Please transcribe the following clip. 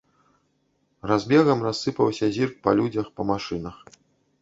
Разбегам рассыпаўся зірк па людзях, па машынах.